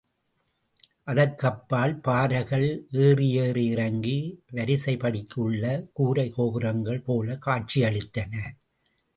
அதற்கப்பால், பாறைகள் ஏறி ஏறி இறங்கி வரிசைபடிக்கு உள்ள கூரைக் கோபுரங்கள் போலக் காட்சியளித்தன.